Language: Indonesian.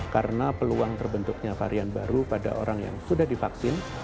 karena peluang terbentuknya varian baru pada orang yang sudah divaksin